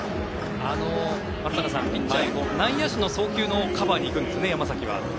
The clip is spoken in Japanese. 松坂さん内野手の送球のカバーに行くんですよね、山崎は。